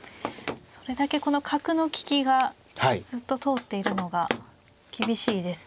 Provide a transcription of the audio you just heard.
それだけこの角の利きがずっと通っているのが厳しいですね。